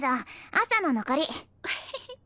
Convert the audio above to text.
朝の残り。